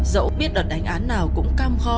dẫu biết đợt đánh án nào cũng cam kho